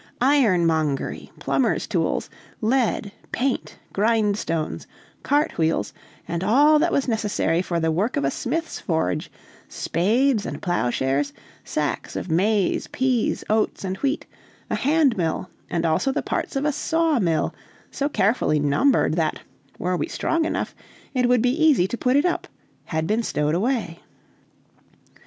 Ironmongery, plumber's tools, lead, paint, grindstones, cart wheels, and all that was necessary for the work of a smith's forge, spades and plowshares, sacks of maize, peas, oats, and wheat, a hand mill, and also the parts of a saw mill so carefully numbered that, were we strong enough, it would be easy to put it up, had been stowed away.